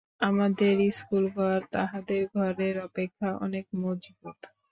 আমাদের স্কুলঘর তাহাদের ঘরের অপেক্ষা অনেক মজবুত।